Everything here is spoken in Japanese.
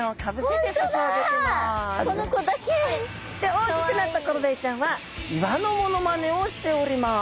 大きくなったコロダイちゃんは岩のモノマネをしております。